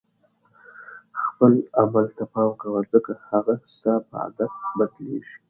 خپل عمل ته پام کوه ځکه هغه ستا په عادت بدلیږي.